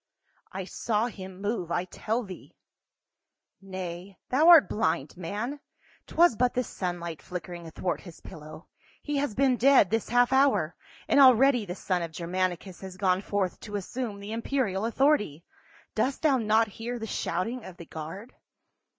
I SAW him move, I tell thee." " Nay, thou art blind, man ; 'twas but the sun light flickering athwart his pillow. He has been dead this half hour, and already the son of Germanicus has gone forth to assume the imperial authority. Dost thou not hear the shouting of the guard?"